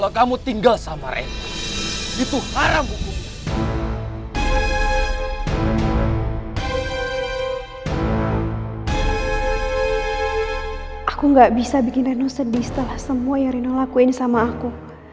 aku gak bisa bikin reno sedih setelah semua yang reno lakuin sama aku